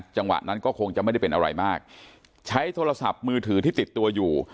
จังหวะนั้นก็คงจะไม่ได้เป็นอะไรมากใช้โทรศัพท์มือถือที่ติดตัวอยู่